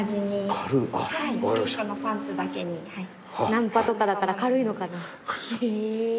ナンパとかだから軽いのかな。